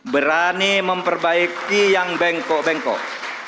berani memperbaiki yang bengkok bengkok